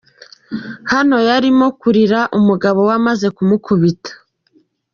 Hano yarimo kurira umugabo we amaze kumukubita.